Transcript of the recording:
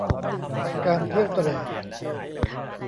การเที่ยวเตร่